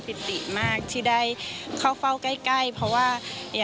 ที่มีโอกาสได้ไปชม